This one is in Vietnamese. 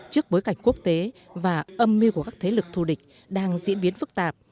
trước bối cảnh quốc tế và âm mưu của các thế lực thù địch đang diễn biến phức tạp